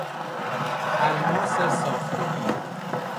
الماس ساختگی